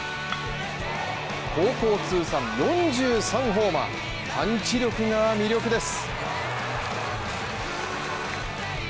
高校通算４３ホーマー、パンチ力が魅力です。